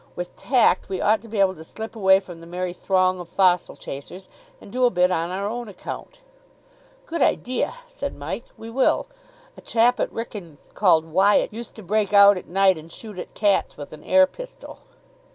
With tact we ought to be able to slip away from the merry throng of fossil chasers, and do a bit on our own account." "Good idea," said Mike. "We will. A chap at Wrykyn, called Wyatt, used to break out at night and shoot at cats with an air pistol."